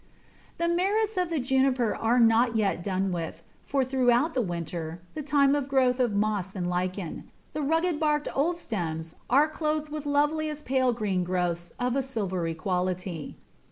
The merits of the Juniper are not yet done with, for throughout the winter (the time of growth of moss and lichen) the rugged barked old stems are clothed with loveliest pale green growths of a silvery quality.